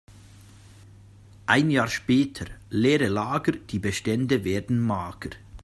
Ein Jahr später: Leere Lager, die Bestände werden mager.